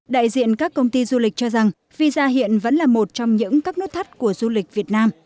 đại diện các công ty du lịch cho rằng visa hiện vẫn là một trong những các nút thắt của du lịch việt nam